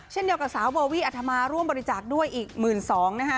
เช่นเดียวกับสาวโบวี่อัธมาร่วมบริจาคด้วยอีก๑๒๐๐นะคะ